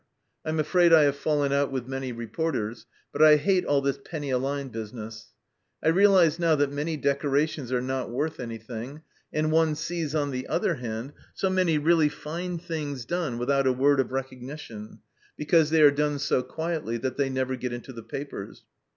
I'm afraid I have fallen out with many reporters, but I hate all this penny a line busi ness. I realize now that many decorations are not worth anything, and one sees, on the other hand, so many really fine things done without a word of recognition, because they are done so quietly that they never get into the papers.